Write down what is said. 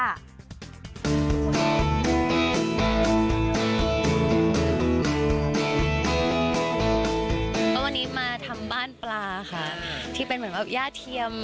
แล้ววันนี้มาทำบ้านปลาค่ะที่เป็นเหมือนแบบย่าเทียม